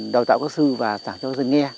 đào tạo các sư và giảng cho dân nghe